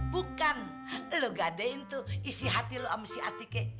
bukan lu gadein tuh isi hati lu sama si atika